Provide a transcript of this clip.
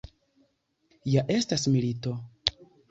Ja estas milito!